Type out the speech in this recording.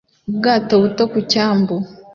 Ubwato buto ku cyambu